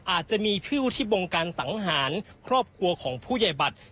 อาจจะมีผู้ที่บงการสังหารครอบครัวของผู้ใหญ่บัตร